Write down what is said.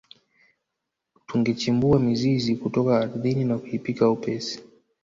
Tungechimbua mizizi kutoka ardhini na kuipika upesi